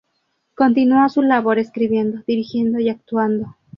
Continúa su labor escribiendo, dirigiendo y actuando.